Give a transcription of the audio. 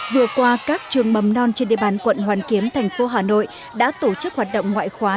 vừa qua các trường mầm non trên địa bàn quận hoàn kiếm thành phố hà nội đã tổ chức hoạt động ngoại khóa